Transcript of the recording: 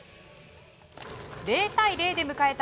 ０対０で迎えた